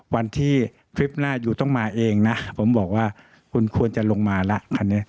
วันที่คลิปหน้าอยู่ต้องมาเองนะผมบอกว่าคุณควรจะลงมาแล้วคันนี้